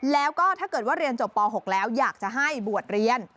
แล้วก็ถ้าเกิดว่าเรียนจบป๖แล้วอยากจะให้บวชเรียน